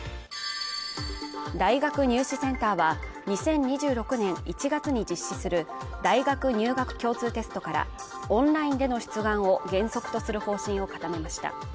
大学入試センターは２０２６年１月に実施する大学入学共通テストからオンラインでの出願を原則とする方針を固めました。